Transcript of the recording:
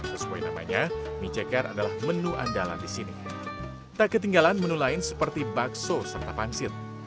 sesuai namanya mie ceker adalah menu yang sangat menarik dan menarik